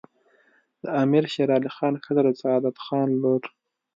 د امیر شیرعلي خان ښځه د سعادت خان لور